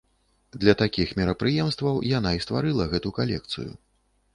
Для такіх мерапрыемстваў яна і стварыла гэту калекцыю.